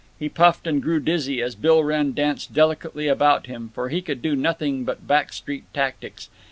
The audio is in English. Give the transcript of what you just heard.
He puffed and grew dizzy as Bill Wrenn danced delicately about him, for he could do nothing without back street tactics.